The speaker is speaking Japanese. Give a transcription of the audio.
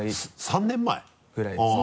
３年前？ぐらいですね。